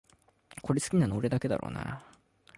これ好きなの俺だけだろうなあ